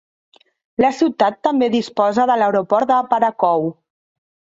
La ciutat també disposa de l'aeroport de Parakou.